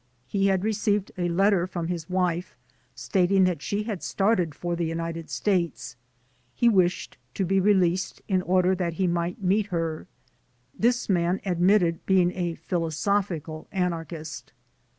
He had received a letter from 76 THE DEPORTATION CASES his wife stating that she had started for the United States. He wished to be released in order that he might meet her. This man admitted being a philosophical an archist.